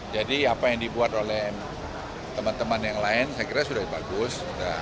jadi apa yang dibuat oleh teman teman yang lain saya kira sudah bagus